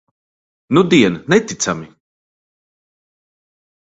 Nudien neticami.